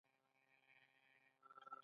دوی ته ځمکه او پیسې ورکوي.